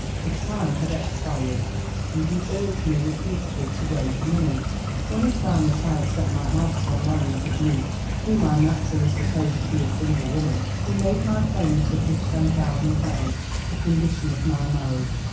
" The time liad expired, and he urged me repeatedly to raiao the money. Wlien lie found that I had set mj' heart upon marrj'ing his niece — whom I naturally supposed to be a single woman — he made my payment of this ten thousand pounds a condition of my marriage.